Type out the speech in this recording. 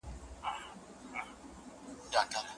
موږ کله ناکله خپله اصلي غوښتنه نه پیژنو.